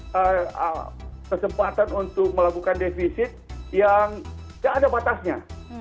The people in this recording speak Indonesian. ada kesempatan untuk melakukan defisit yang tidak ada batasnya